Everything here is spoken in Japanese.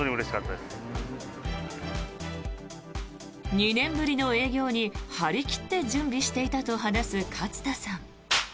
２年ぶりの営業に張り切って準備していたと話す勝田さん。